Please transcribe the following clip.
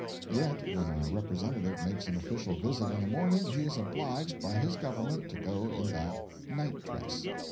Yet, when our representative makes an official visit in the morning, he is obliged by his Government to go in that night dress.